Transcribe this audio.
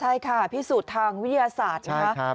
ใช่ค่ะพิสูจน์ทางวิทยาศาสตร์นะครับ